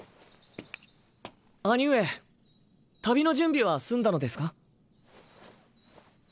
兄上旅の準備は済んだのですか？